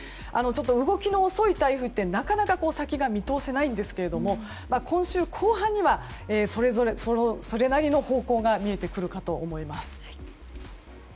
動きの遅い台風ってなかなか先が見通せないんですが今週後半にはそれなりの方向が見えてくるかと思います。